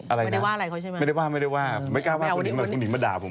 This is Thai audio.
ไม่ได้ว่าอะไรเขาใช่มั้ย